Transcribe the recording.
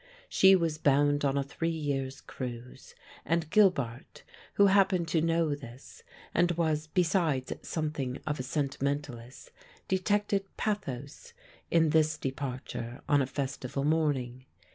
She was bound on a three years' cruise; and Gilbart, who happened to know this and was besides something of a sentimentalist, detected pathos in this departure on a festival morning.